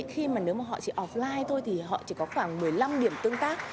khi mà nếu mà họ chỉ offline thôi thì họ chỉ có khoảng một mươi năm điểm tương tác